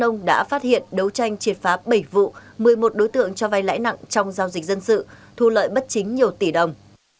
công an đã phát hiện đấu tranh triệt phá bảy vụ một mươi một đối tượng cho vay lãi nặng trong giao dịch dân sự thu lợi bất chính nhiều tỷ đồng